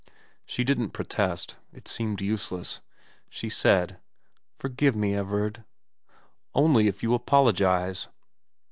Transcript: She didn't protest. It seemed useless. She said, ' Forgive me, Everard.' ' Only if you apologise.'